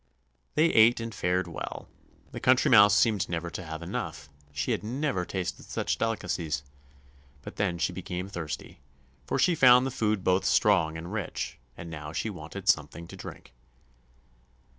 They ate and fared well; the Country Mouse seemed never to have enough; she had never tasted such delicacies. But then she became thirsty, for she found the food both strong and rich, and now she wanted something to drink.